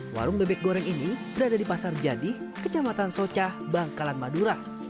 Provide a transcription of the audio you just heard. warung bebek goreng ini berada di pasar jadi kecamatan socah bangkalan madura